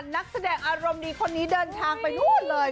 นักแสดงอารมณ์ดีคนนี้เดินทางไปนู่นเลย